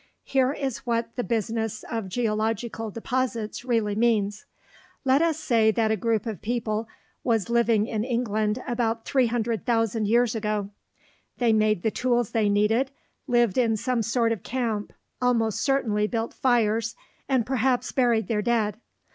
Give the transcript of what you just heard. Here is what the business of geological deposits really means. Let us say that a group of people was living in England about 300,000 years ago. They made the tools they needed, lived in some sort of camp, almost certainly built fires, and perhaps buried their dead.